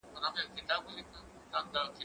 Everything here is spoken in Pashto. زه کولای سم چپنه پاک کړم؟